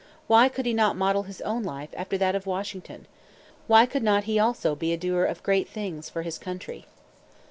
Why could not he model his own life after that of Washington? Why could not he also be a doer of great things for his country?